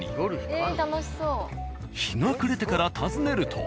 日が暮れてから訪ねると。